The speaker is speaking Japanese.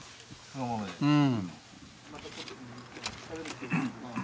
うん。